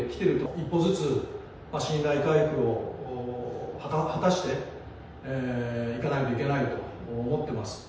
一歩ずつ信頼回復を果たしていかないといけないと思ってます。